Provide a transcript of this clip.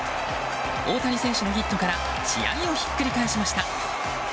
大谷選手のヒットから試合をひっくり返しました。